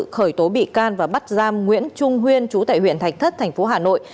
khởi tố bị can và bắt giam nguyễn trung huyên chú tại huyện thạch thất tp hà nội